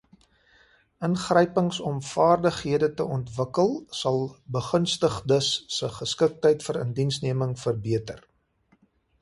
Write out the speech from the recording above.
Ingrypings om vaardighede te ontwikkel sal begunstigdes se geskiktheid vir indiensneming verbeter.